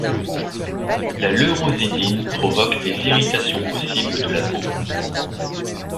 La leurosidine provoque des irritations possibles de la peau.